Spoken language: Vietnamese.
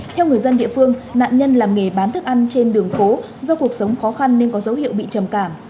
theo người dân địa phương nạn nhân làm nghề bán thức ăn trên đường phố do cuộc sống khó khăn nên có dấu hiệu bị trầm cảm